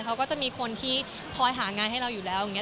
เขาก็จะมีคนที่คอยหางานให้เราอยู่แล้วอย่างนี้